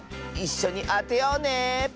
いっしょにあてようね。